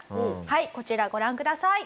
はいこちらご覧ください。